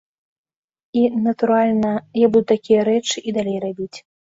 І, натуральна, я буду такія рэчы і далей рабіць.